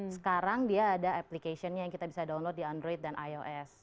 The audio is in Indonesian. sekarang dia ada application nya yang kita bisa download di android dan ios